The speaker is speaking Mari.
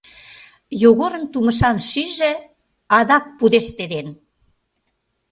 Йогорын тумышан шийже адак пудештеден.